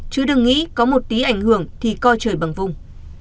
chứ đừng nghĩ có một tí ảnh hưởng thì co trời bằng vùng